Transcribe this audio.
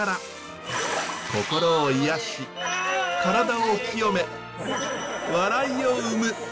心を癒やし体を浄め笑いを生む。